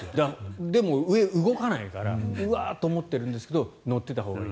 でも上、動かないからうわっと思うんですが乗っていたほうがいい。